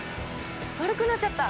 丸くなっちゃった！